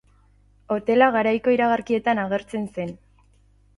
Hotela garaiko iragarkietan agertzen zen.